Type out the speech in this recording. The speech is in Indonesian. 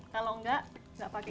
kalau enggak enggak pakai